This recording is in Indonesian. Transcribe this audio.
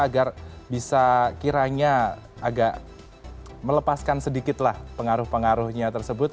agar bisa kiranya agak melepaskan sedikitlah pengaruh pengaruhnya tersebut